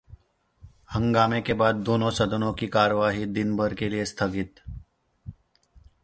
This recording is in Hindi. हंगामे के बाद दोनों सदनों की कार्यवाही दिनभर के लिए स्थगित